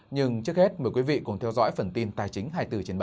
nhưng trước hết mời quý vị cùng theo dõi phần tin tài chính hai mươi bốn trên bảy